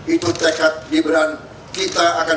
itu tekad gibran kita akan